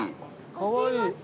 かわいい。